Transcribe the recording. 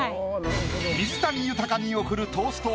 水谷豊に贈るトースト